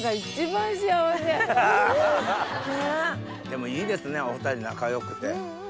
でもいいですねお２人仲良くて。